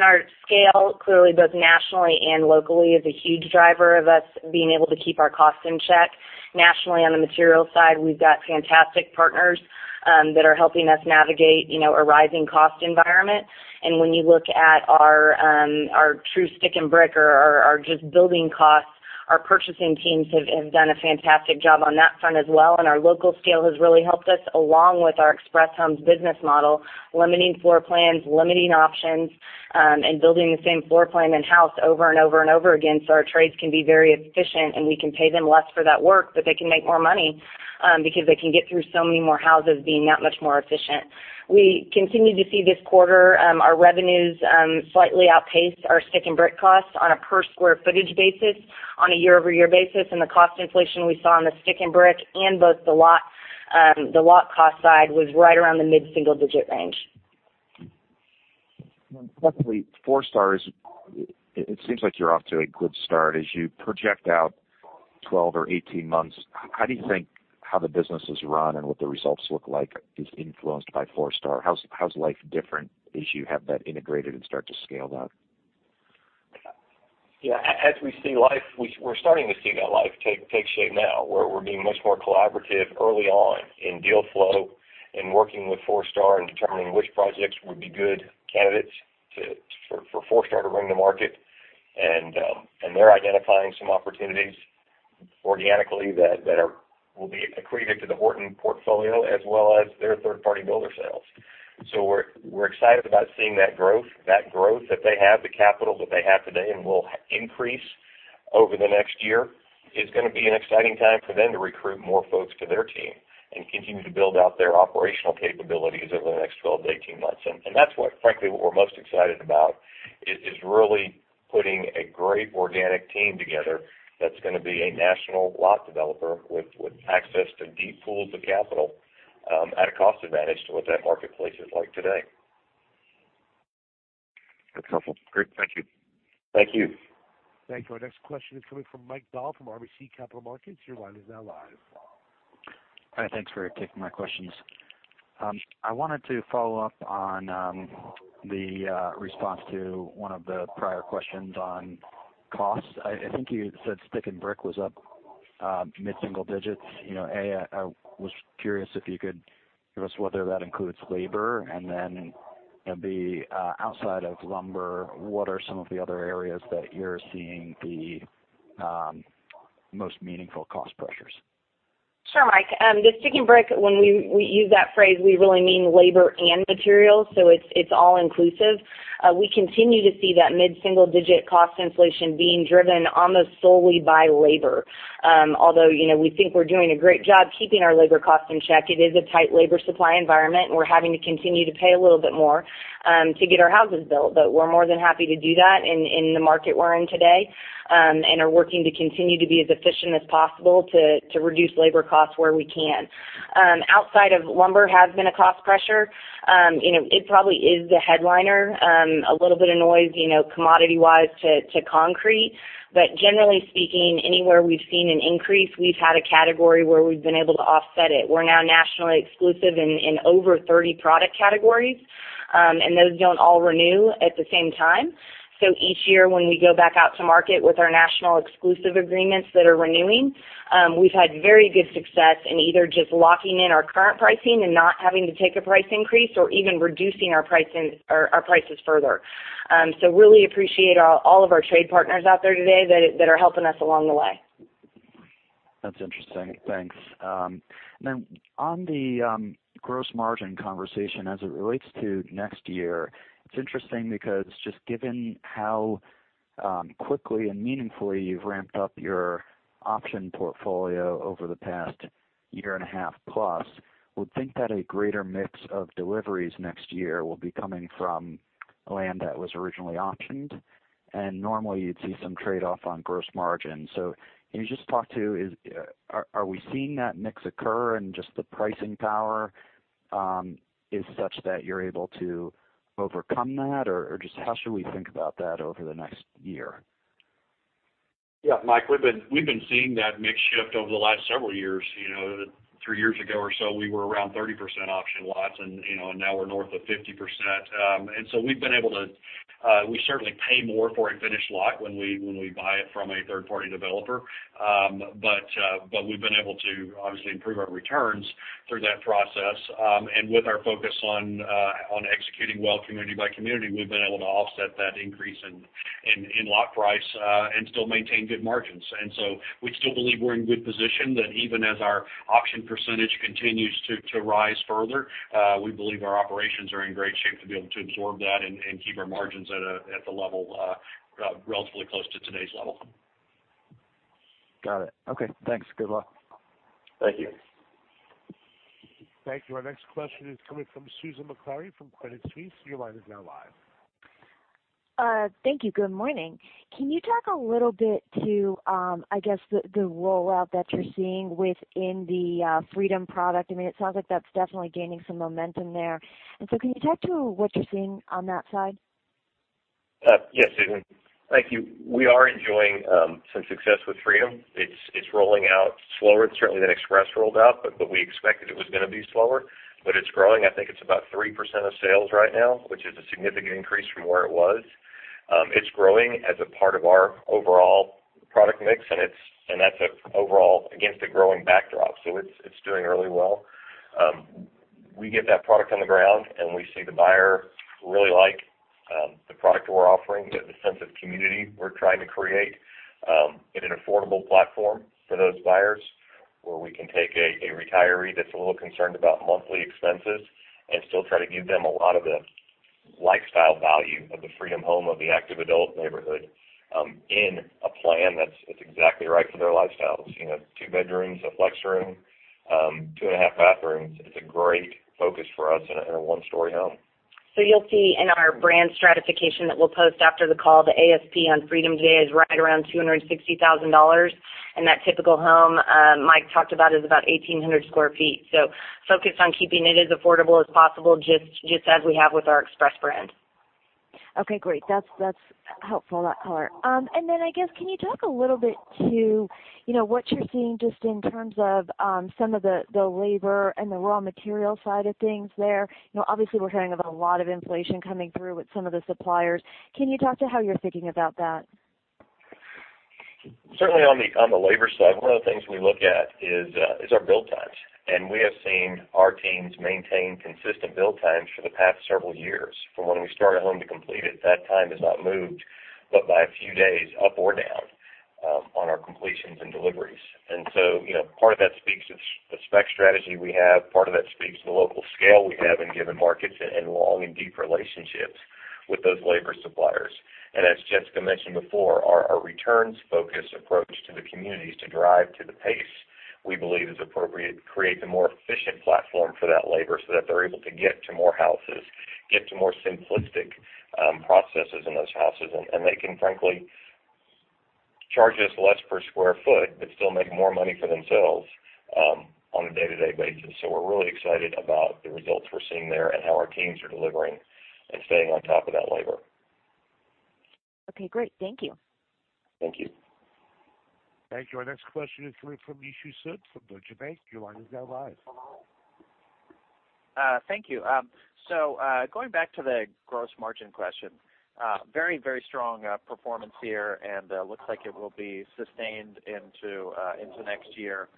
Our scale, clearly both nationally and locally, is a huge driver of us being able to keep our costs in check. Nationally, on the material side, we've got fantastic partners that are helping us navigate a rising cost environment. When you look at our true stick-and-brick, or our just building costs, our purchasing teams have done a fantastic job on that front as well, our local scale has really helped us, along with our Express Homes business model, limiting floor plans, limiting options, and building the same floor plan and house over and over and over again so our trades can be very efficient and we can pay them less for that work, but they can make more money because they can get through so many more houses being that much more efficient. We continue to see this quarter our revenues slightly outpace our stick-and-brick costs on a per square footage basis, on a year-over-year basis, the cost inflation we saw on the stick-and-brick and both the lot cost side was right around the mid-single-digit range. Lastly, Forestar, it seems like you're off to a good start. As you project out 12 or 18 months, how do you think how the business is run and what the results look like is influenced by Forestar? How's life different as you have that integrated and start to scale that? Yeah. As we see life, we're starting to see that life take shape now, where we're being much more collaborative early on in deal flow and working with Forestar and determining which projects would be good candidates for Forestar to bring to market. They're identifying some opportunities organically that will be accretive to the Horton portfolio as well as their third-party builder sales. We're excited about seeing that growth that they have, the capital that they have today, and will increase over the next year. It's going to be an exciting time for them to recruit more folks to their team and continue to build out their operational capabilities over the next 12 to 18 months. That's what, frankly, what we're most excited about, is really putting a great organic team together that's going to be a national lot developer with access to deep pools of capital at a cost advantage to what that marketplace is like today. That's helpful. Great. Thank you. Thank you. Thank you. Our next question is coming from Michael Dahl from RBC Capital Markets. Your line is now live. Hi. Thanks for taking my questions. I wanted to follow up on the response to one of the prior questions on costs. I think you said stick and brick was up mid-single digits. A, I was curious if you could give us whether that includes labor, and then B, outside of lumber, what are some of the other areas that you're seeing the most meaningful cost pressures? Sure, Mike. The stick and brick, when we use that phrase, we really mean labor and materials, so it's all-inclusive. We continue to see that mid-single-digit cost inflation being driven almost solely by labor. Although, we think we're doing a great job keeping our labor costs in check, it is a tight labor supply environment, and we're having to continue to pay a little bit more to get our houses built. We're more than happy to do that in the market we're in today, and are working to continue to be as efficient as possible to reduce labor costs where we can. Outside of lumber has been a cost pressure. It probably is the headliner. A little bit of noise commodity-wise to concrete. Generally speaking, anywhere we've seen an increase, we've had a category where we've been able to offset it. We're now nationally exclusive in over 30 product categories, and those don't all renew at the same time. Each year, when we go back out to market with our national exclusive agreements that are renewing, we've had very good success in either just locking in our current pricing and not having to take a price increase or even reducing our prices further. Really appreciate all of our trade partners out there today that are helping us along the way. That's interesting. Thanks. On the gross margin conversation as it relates to next year, it's interesting because just given how quickly and meaningfully you've ramped up your option portfolio over the past year and a half plus, would think that a greater mix of deliveries next year will be coming from land that was originally optioned, and normally you'd see some trade-off on gross margin. Can you just talk to, are we seeing that mix occur and just the pricing power is such that you're able to overcome that, or just how should we think about that over the next year? Yeah, Mike, we've been seeing that mix shift over the last several years. Three years ago or so, we were around 30% option lots, and now we're north of 50%. We've been able to we certainly pay more for a finished lot when we buy it from a third-party developer, but we've been able to obviously improve our returns through that process. With our focus on executing well community by community, we've been able to offset that increase in lot price and still maintain good margins. We still believe we're in good position that even as our option percentage continues to rise further, we believe our operations are in great shape to be able to absorb that and keep our margins at the level relatively close to today's level. Got it. Okay, thanks. Good luck. Thank you. Thank you. Our next question is coming from Susan Maklari from Credit Suisse. Your line is now live. Thank you. Good morning. Can you talk a little bit to, I guess, the rollout that you're seeing within the Freedom product? It sounds like that's definitely gaining some momentum there. Can you talk to what you're seeing on that side? Yes, Susan, thank you. We are enjoying some success with Freedom. It's rolling out slower certainly than Express rolled out, but we expected it was going to be slower, but it's growing. I think it's about 3% of sales right now, which is a significant increase from where it was. It's growing as a part of our overall product mix, and that's overall against a growing backdrop. It's doing really well. We get that product on the ground, and we see the buyer really like the product we're offering, the sense of community we're trying to create in an affordable platform for those buyers, where we can take a retiree that's a little concerned about monthly expenses and still try to give them a lot of the lifestyle value of the Freedom home, of the active adult neighborhood, in a plan that's exactly right for their lifestyles. Two bedrooms, a flex room, two and a half bathrooms. It's a great focus for us in a one-story home. You'll see in our brand stratification that we'll post after the call, the ASP on Freedom today is right around $260,000, and that typical home Mike talked about is about 1,800 sq ft. Focused on keeping it as affordable as possible, just as we have with our Express brand. Okay, great. That's helpful, that color. I guess, can you talk a little bit to what you are seeing just in terms of some of the labor and the raw material side of things there? Obviously, we are hearing of a lot of inflation coming through with some of the suppliers. Can you talk to how you are thinking about that? Certainly on the labor side, one of the things we look at is our build times. We have seen our teams maintain consistent build times for the past several years. From when we start a home to complete it, that time has not moved but by a few days up or down on our completions and deliveries. Part of that speaks to the spec strategy we have, part of that speaks to the local scale we have in given markets and long and deep relationships with those labor suppliers. As Jessica mentioned before, our returns-focused approach to the communities to drive to the pace we believe is appropriate, creates a more efficient platform for that labor so that they are able to get to more houses, get to more simplistic processes in those houses, and they can frankly charge us less per square foot but still make more money for themselves on a day-to-day basis. We are really excited about the results we are seeing there and how our teams are delivering and staying on top of that labor. Okay, great. Thank you. Thank you. Thank you. Our next question is coming from Nishu Sood from Deutsche Bank. Your line is now live. Thank you. Going back to the gross margin question, very strong performance here and looks like it will be sustained into next year.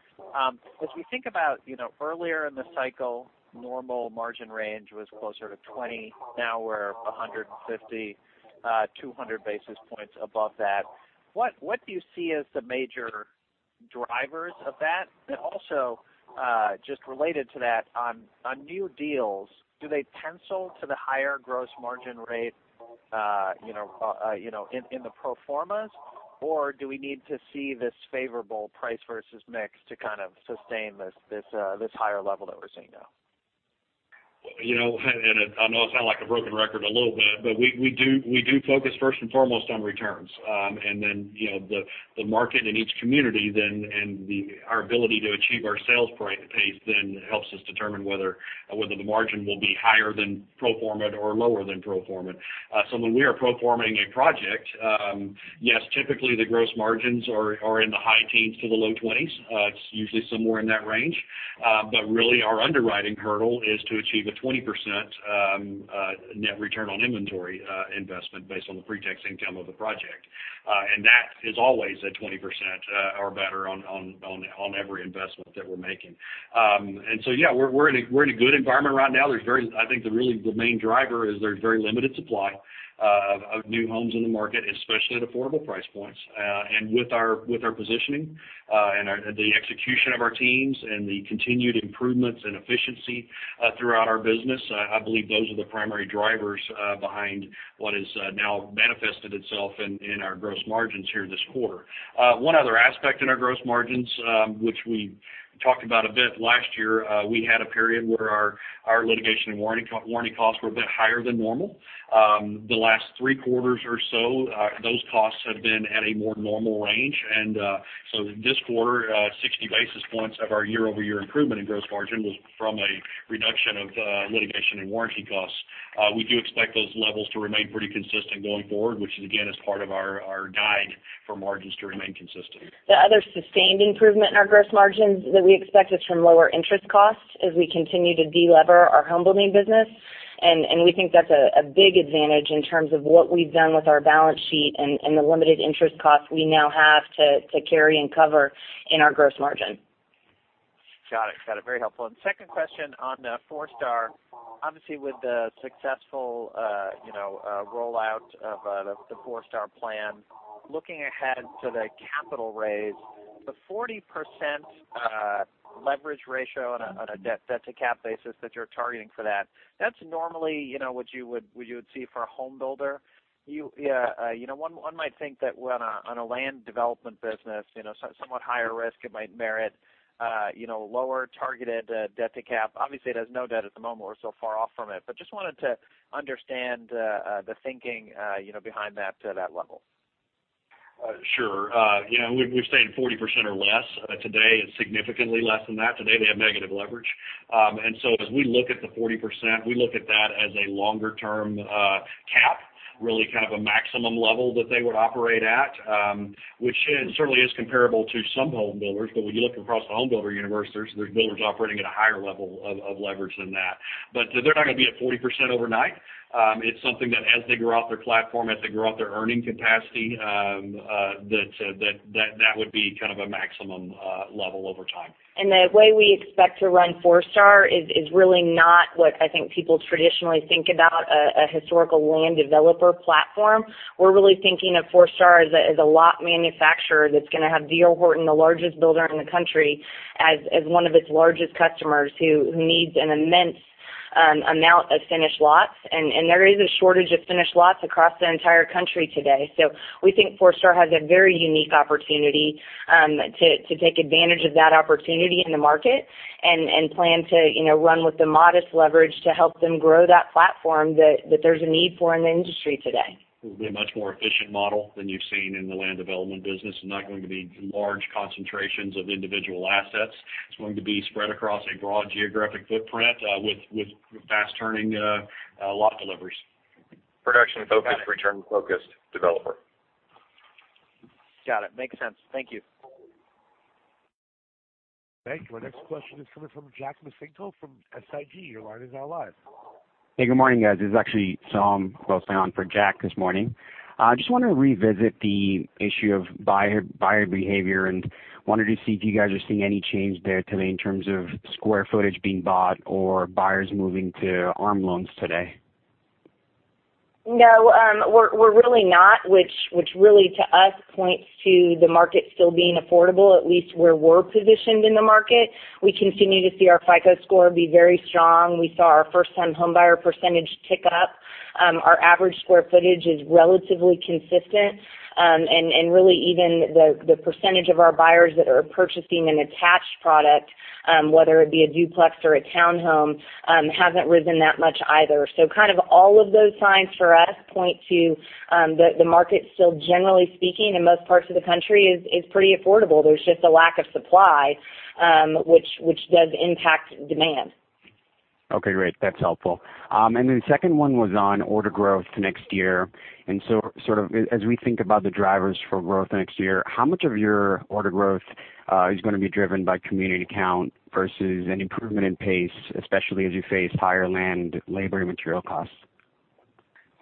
We think about earlier in the cycle, normal margin range was closer to 20. Now we're 150, 200 basis points above that. What do you see as the major drivers of that? Also, just related to that, on new deals, do they pencil to the higher gross margin rate in the pro formas, or do we need to see this favorable price versus mix to kind of sustain this higher level that we're seeing now? I know I sound like a broken record a little bit, but we do focus first and foremost on returns. Then, the market in each community then, and our ability to achieve our sales pace then helps us determine whether the margin will be higher than pro forma or lower than pro forma. When we are pro forma-ing a project, yes, typically the gross margins are in the high teens to the low 20s. It's usually somewhere in that range. Really our underwriting hurdle is to achieve a 20% net return on inventory investment based on the pre-tax income of the project. That is always a 20% or better on every investment that we're making. Yeah, we're in a good environment right now. I think really the main driver is there's very limited supply of new homes in the market, especially at affordable price points. With our positioning and the execution of our teams and the continued improvements in efficiency throughout our business, I believe those are the primary drivers behind what has now manifested itself in our gross margins here this quarter. One other aspect in our gross margins, which we talked about a bit last year, we had a period where our litigation and warranty costs were a bit higher than normal. The last three quarters or so, those costs have been at a more normal range. This quarter, 60 basis points of our year-over-year improvement in gross margin was from a reduction of litigation and warranty costs. We do expect those levels to remain pretty consistent going forward, which again, is part of our guide for margins to remain consistent. The other sustained improvement in our gross margins that we expect is from lower interest costs as we continue to de-lever our homebuilding business. We think that's a big advantage in terms of what we've done with our balance sheet and the limited interest costs we now have to carry and cover in our gross margin. Got it. Very helpful. Second question on Forestar. Obviously, with the successful rollout of the Forestar plan, looking ahead to the capital raise, the 40% leverage ratio on a debt-to-cap basis that you're targeting for that's normally what you would see for a homebuilder. One might think that on a land development business, somewhat higher risk, it might merit lower targeted debt-to-cap. Obviously, it has no debt at the moment. We're so far off from it. Just wanted to understand the thinking behind that to that level. Sure. We've stayed at 40% or less. Today, it's significantly less than that. Today they have negative leverage. As we look at the 40%, we look at that as a longer-term cap, really kind of a maximum level that they would operate at, which certainly is comparable to some home builders. When you look across the home builder universe, there's builders operating at a higher level of leverage than that. They're not going to be at 40% overnight. It's something that as they grow out their platform, as they grow out their earning capacity, that would be kind of a maximum level over time. The way we expect to run Forestar is really not what I think people traditionally think about a historical land developer platform. We're really thinking of Forestar as a lot manufacturer that's going to have D.R. Horton, the largest builder in the country, as one of its largest customers who needs an immense amount of finished lots. There is a shortage of finished lots across the entire country today. We think Forestar has a very unique opportunity to take advantage of that opportunity in the market and plan to run with the modest leverage to help them grow that platform that there's a need for in the industry today. It will be a much more efficient model than you've seen in the land development business. It's not going to be large concentrations of individual assets. It's going to be spread across a broad geographic footprint with fast-turning lot deliveries. Production-focused, return-focused developer. Got it. Makes sense. Thank you. Thank you. Our next question is coming from Jack Micenko from SIG. Your line is now live. Hey, good morning, guys. This is actually Soham on for Jack this morning. Just wanted to revisit the issue of buyer behavior, and wanted to see if you guys are seeing any change there today in terms of square footage being bought or buyers moving to ARM loans today. No, we're really not, which really to us points to the market still being affordable, at least where we're positioned in the market. We continue to see our FICO score be very strong. We saw our first-time homebuyer percentage tick up. Our average square footage is relatively consistent. Really even the percentage of our buyers that are purchasing an attached product, whether it be a duplex or a townhome, hasn't risen that much either. Kind of all of those signs for us point to the market still generally speaking in most parts of the country is pretty affordable. There's just a lack of supply, which does impact demand. Okay, great. That's helpful. Second one was on order growth next year. Sort of as we think about the drivers for growth next year, how much of your order growth is going to be driven by community count versus any improvement in pace, especially as you face higher land, labor, and material costs?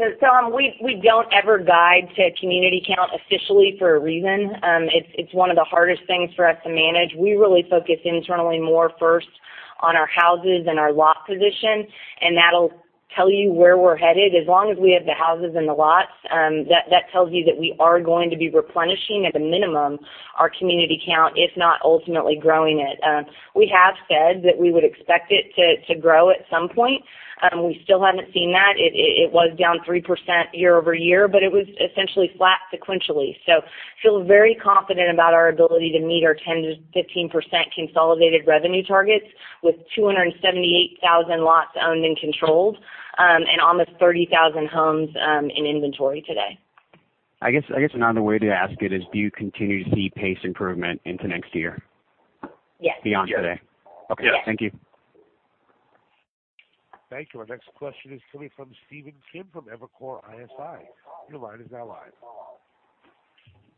Soham, we don't ever guide to community count officially for a reason. It's one of the hardest things for us to manage. We really focus internally more first on our houses and our lot position, and that'll tell you where we're headed. As long as we have the houses and the lots, that tells you that we are going to be replenishing at a minimum our community count, if not ultimately growing it. We have said that we would expect it to grow at some point. We still haven't seen that. It was down 3% year-over-year, but it was essentially flat sequentially. Feel very confident about our ability to meet our 10%-15% consolidated revenue targets with 278,000 lots owned and controlled, and almost 30,000 homes in inventory today. I guess another way to ask it is, do you continue to see pace improvement into next year? Yes. Yes. Okay. Thank you. Thank you. Our next question is coming from Stephen Kim from Evercore ISI. Your line is now live.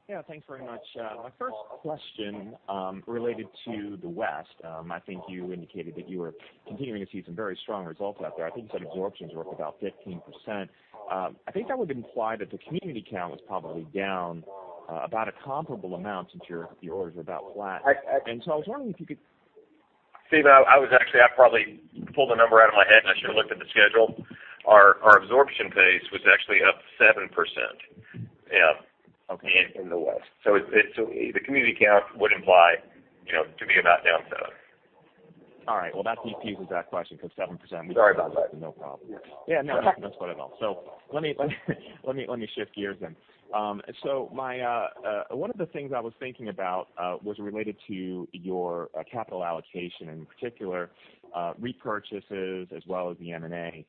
Yeah. Thanks very much. My first question related to the West. I think you indicated that you were continuing to see some very strong results out there. I think you said absorptions were up about 15%. I think that would imply that the community count was probably down about a comparable amount since your orders are about flat. I was wondering if you could- Stephen, I probably pulled the number out of my head, and I should have looked at the schedule. Our absorption pace was actually up 7%. Yeah. Okay. In the West. The community count would imply to be about down seven. All right. Well, that defuses that question because 7% Sorry about that. No problem. Yeah, no, that's quite all. Let me shift gears. One of the things I was thinking about was related to your capital allocation, in particular repurchases as well as the M&A.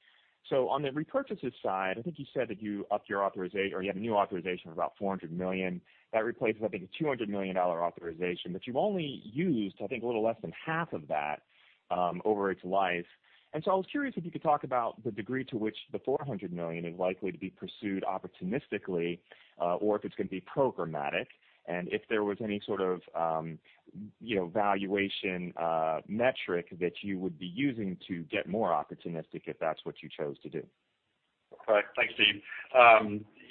On the repurchases side, I think you said that you upped your authorization, or you have a new authorization of about $400 million. That replaces, I think, a $200 million authorization. You've only used, I think, a little less than half of that over its life. I was curious if you could talk about the degree to which the $400 million is likely to be pursued opportunistically, or if it's going to be programmatic, and if there was any sort of valuation metric that you would be using to get more opportunistic, if that's what you chose to do. Thanks, Stephen.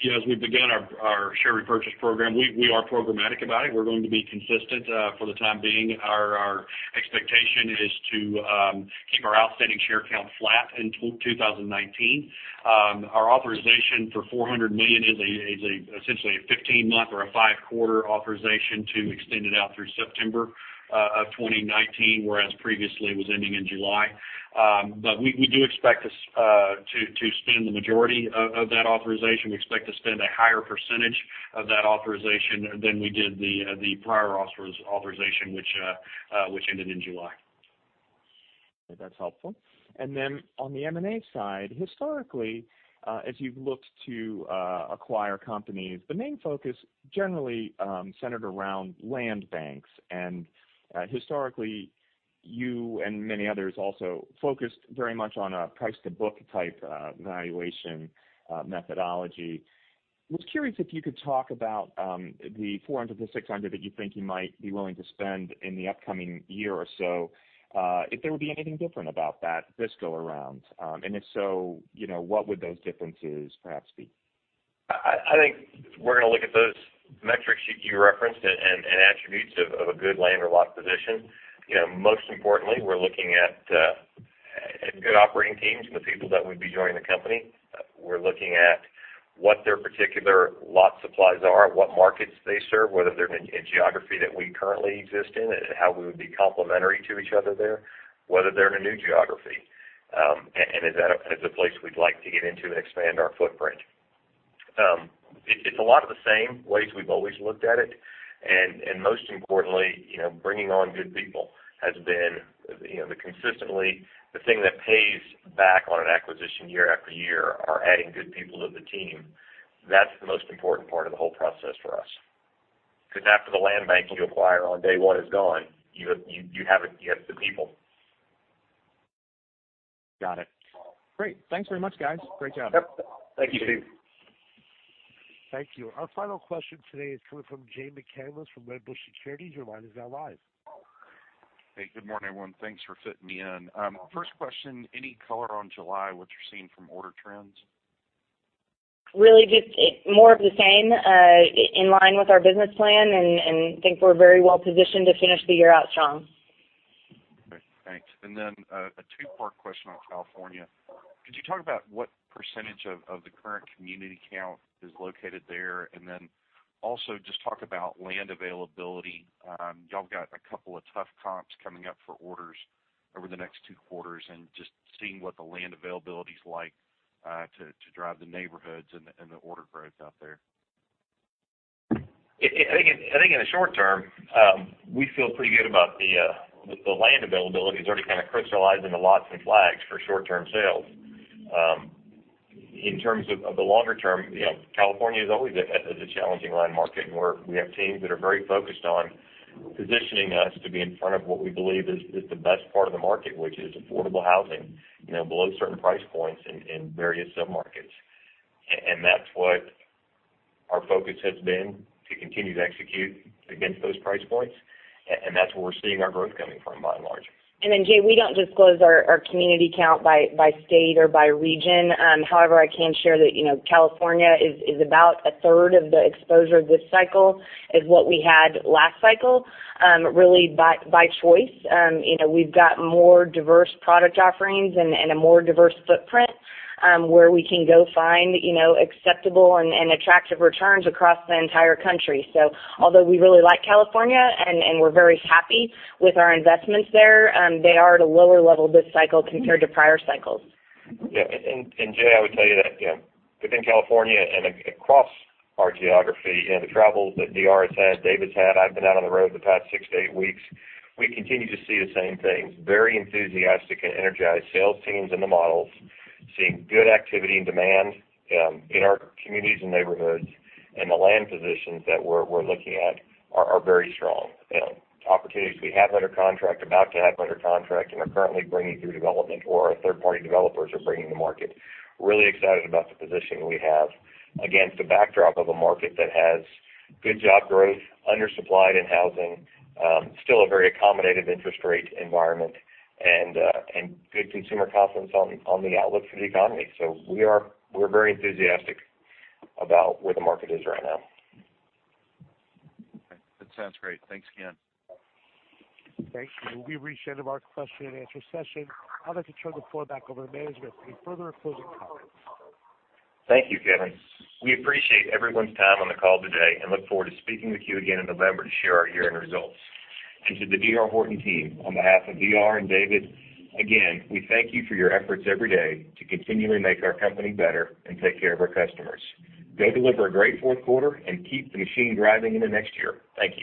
As we've begun our share repurchase program, we are programmatic about it. We're going to be consistent for the time being. Our expectation is to keep our outstanding share count flat until 2019. Our authorization for $400 million is essentially a 15-month or a five-quarter authorization to extend it out through September of 2019, whereas previously it was ending in July. We do expect to spend the majority of that authorization. We expect to spend a higher percentage of that authorization than we did the prior authorization, which ended in July. If that's helpful. On the M&A side, historically, as you've looked to acquire companies, the main focus generally centered around land banks, and historically, you and many others also focused very much on a price to book type valuation methodology. Was curious if you could talk about the $400 million-$600 million that you think you might be willing to spend in the upcoming year or so, if there would be anything different about that this go around, and if so, what would those differences perhaps be? I think we're going to look at those metrics you referenced and attributes of a good land or lot position. Most importantly, we're looking at good operating teams and the people that would be joining the company. We're looking at what their particular lot supplies are, what markets they serve, whether they're in a geography that we currently exist in, how we would be complementary to each other there, whether they're in a new geography, is that a place we'd like to get into and expand our footprint. It's a lot of the same ways we've always looked at it, most importantly, bringing on good people has been consistently the thing that pays back on an acquisition year after year, are adding good people to the team. That's the most important part of the whole process for us. After the land bank you acquire on day one is gone, you have the people. Got it. Great. Thanks very much, guys. Great job. Yep. Thank you, Stephen. Thank you. Our final question today is coming from Jay McCanless from Wedbush Securities. Your line is now live. Hey, good morning, everyone. Thanks for fitting me in. First question, any color on July, what you're seeing from order trends? Really just more of the same, in line with our business plan, and think we're very well-positioned to finish the year out strong. A two-part question on California. Could you talk about what percentage of the current community count is located there? Also just talk about land availability. Y'all got a couple of tough comps coming up for orders over the next 2 quarters and just seeing what the land availability is like, to drive the neighborhoods and the order growth out there. I think in the short term, we feel pretty good about the land availability. It's already kind of crystallizing the lots and flags for short-term sales. In terms of the longer term, California is always a challenging land market, and we have teams that are very focused on positioning us to be in front of what we believe is the best part of the market, which is affordable housing below certain price points in various sub-markets. That's what our focus has been, to continue to execute against those price points, and that's where we're seeing our growth coming from, by and large. Jay, we don't disclose our community count by state or by region. However, I can share that California is about a third of the exposure this cycle, is what we had last cycle, really by choice. We've got more diverse product offerings and a more diverse footprint where we can go find acceptable and attractive returns across the entire country. Although we really like California and we're very happy with our investments there, they are at a lower level this cycle compared to prior cycles. Yeah. Jay, I would tell you that within California and across our geography and the travels that D.R. has had, David's had, I've been out on the road the past 6 to 8 weeks, we continue to see the same things. Very enthusiastic and energized sales teams in the models, seeing good activity and demand in our communities and neighborhoods, and the land positions that we're looking at are very strong. Opportunities we have under contract, about to have under contract, and are currently bringing through development or our third-party developers are bringing to market. Really excited about the positioning we have against a backdrop of a market that has good job growth, undersupplied in housing, still a very accommodative interest rate environment, and good consumer confidence on the outlook for the economy. We're very enthusiastic about where the market is right now. Okay. That sounds great. Thanks again. Thank you. We've reached the end of our question-and-answer session. I'd like to turn the floor back over to management for any further closing comments. Thank you, Kevin. We appreciate everyone's time on the call today and look forward to speaking with you again in November to share our year-end results. To the D.R. Horton team, on behalf of D.R. and David, again, we thank you for your efforts every day to continually make our company better and take care of our customers. Go deliver a great fourth quarter and keep the machine driving into next year. Thank you.